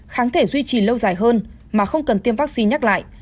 kháng thể duy trì lâu dài hơn mà không cần tiêm vaccine nhắc lại